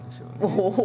おお！